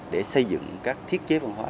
để xây dựng các thiết chế văn hóa